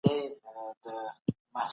موږ خپل دودونه ساتو.